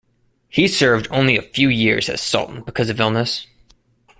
He served only a few years as sultan because of illness.